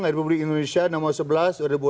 republik indonesia nomor sebelas